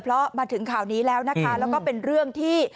เพราะมาถึงข่าวนี้แล้วนะคะแล้วก็เป็นเรื่องที่